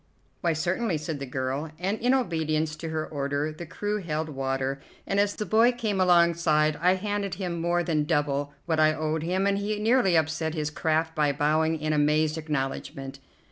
"Why, certainly," said the girl, and in obedience to her order the crew held water, and as the boy came alongside I handed him more than double what I owed him, and he nearly upset his craft by bowing in amazed acknowledgment.